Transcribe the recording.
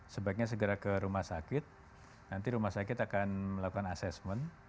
sebaiknya segera ke rumah sakit nanti rumah sakit akan melakukan assessment